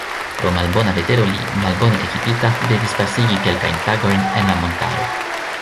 Pro malbona vetero li, malbone ekipita, devis pasigi kelkajn tagojn en la montaro.